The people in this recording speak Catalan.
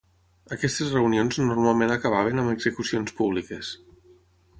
Aquestes reunions normalment acabaven amb execucions públiques.